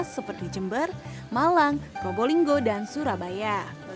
seperti jember malang probolinggo dan surabaya